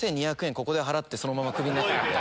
ここで払ってそのままクビになったんで。